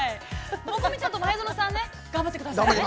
もこみちさんと前園さんね、頑張ってくださいね。